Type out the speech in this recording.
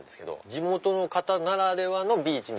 地元の方ならではのビーチ？